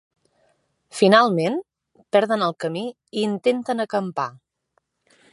Finalment, perden el camí i intenten acampar.